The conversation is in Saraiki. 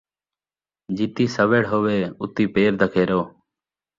جِتی سوّڑ ہووے اُتی پیر دگھیرو